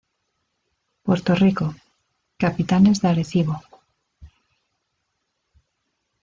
Puerto Rico: Capitanes de Arecibo.